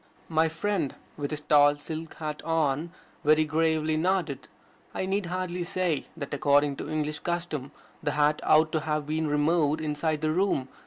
My friend, with his tall silk hat on, very gravely nodded. I need hardly say that according to English custom the hat ought to have been removed inside the room.